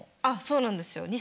あっそうなんですよ